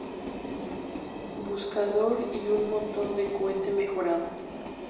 Buscador y un motor de cohete mejorado.